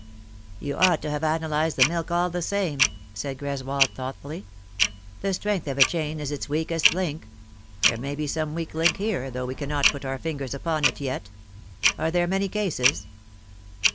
" You ought to have analysed the milk all the same," said Greswold thoughtfully. " The strength of a chain is its weakest link. There may be some weak link here, though we cannot put our fingers upon it yet. Are there many cases